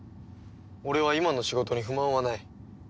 俺は今の仕事に不満はない。